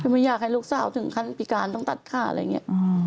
คือไม่อยากให้ลูกสาวถึงขั้นพิการต้องตัดค่าอะไรอย่างนี้